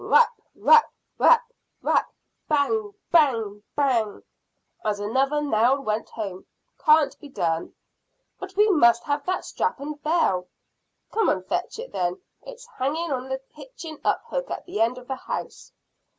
Rap, rap, rap, rap, bang, bang, bang, as another nail went home. "Can't be done." "But we must have that strap and bell." "Come and fetch it then. It's hanging on the hitching up hook at the end of the house."